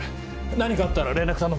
何かあったら連絡頼む。